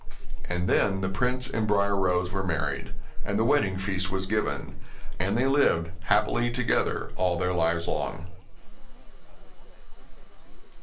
And then the prince and Briar Rose were married, and the wedding feast was given; and they lived happily together all their lives long.